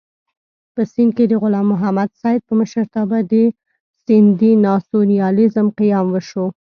په سېند کې د غلام محمد سید په مشرتابه د سېندي ناسیونالېزم قیام وشو.